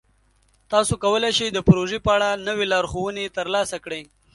تاسو کولی شئ د پروژې په اړه نوې لارښوونې ترلاسه کړئ.